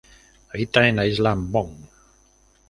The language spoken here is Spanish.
Habita en la isla Ambon.